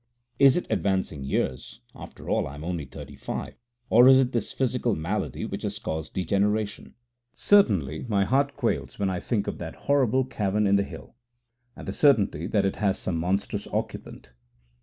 Is it advancing years (after all, I am only thirty five), or is it this physical malady which has caused degeneration? Certainly my heart quails when I think of that horrible cavern in the hill, and the certainty that it has some monstrous occupant.